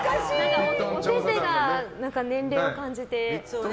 お手手が年齢を感じて。